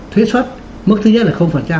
thuế xuất mức thứ nhất là